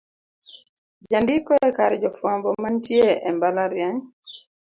jandiko e kar jofwambo manitie e mbalariany